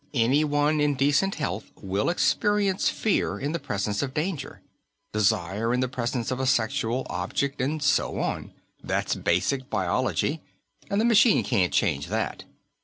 "Anyone in decent health will experience fear in the presence of danger; desire in the presence of a sexual object, and so on. That's basic biology, and the machine can't change that.